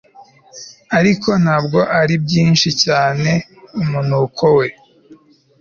ariko ntabwo aribyinshi cyane umunuko we